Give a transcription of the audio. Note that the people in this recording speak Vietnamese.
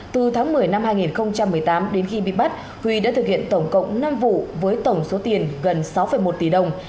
từ tháng một mươi năm hai nghìn một mươi tám đến khi bị bắt huy đã thực hiện tổng cộng năm vụ với tổng số tiền gần sáu một tỷ đồng